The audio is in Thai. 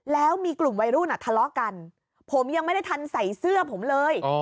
แล้วมีกลุ่มวัยรุ่นอ่ะทะเลาะกันผมยังไม่ได้ทันใส่เสื้อผมเลย